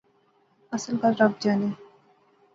اصل گل رب جانے